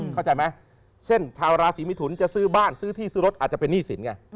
เข้าใจไหมเช่นชาวราศีมิถุนจะซื้อบ้านซื้อที่ซื้อรถอาจจะเป็นหนี้สินไง